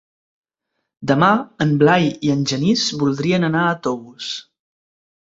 Demà en Blai i en Genís voldrien anar a Tous.